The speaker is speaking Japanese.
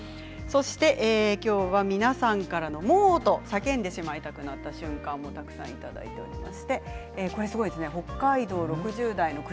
きょうは皆さんからモーと叫んでしまいたくなった瞬間もいただいています。